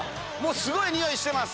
すごいニオイしてます。